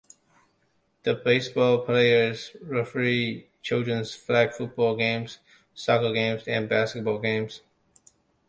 The baseball players referee children's flag football games, soccer games, and basketball games.